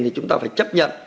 thì chúng ta phải chấp nhận